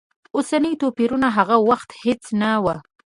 اوسني توپیرونه هغه وخت هېڅ نه و.